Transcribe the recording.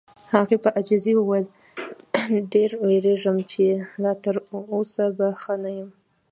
هغې په عاجزۍ وویل: ډېر وېریږم چې لا تر اوسه به ښه نه یم.